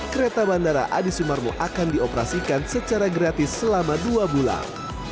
kereta bandara adi sumarmo akan dioperasikan secara gratis selama dua bulan